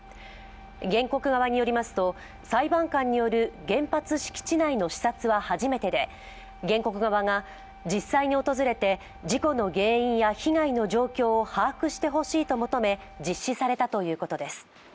原告側によりますと、裁判官による原発敷地内の視察は初めてで原告側が、実際に訪れて事故の原因や被害の状況を把握してほしいと求め実施されたということです。